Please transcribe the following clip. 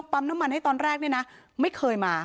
ปั๊มน้ำมันให้ตอนแรกไม่เคยมา